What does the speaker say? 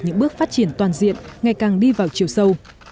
những bước phát triển toàn diện ngày càng đi vào chiều sâu